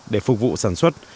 để phục vụ sản xuất